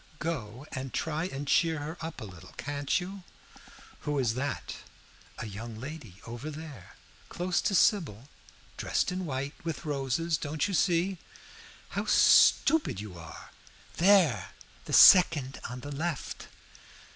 Go and try and cheer her up a little, can't you?" "Who is that?" "A young lady over there close to Sybil dressed in white with roses. Don't you see? How stupid you are! There the second on the left."